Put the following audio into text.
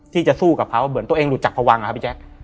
ที่จะสู้กับเขาเหมือนตัวเองรู้จักพวังอะครับพี่แจ๊ค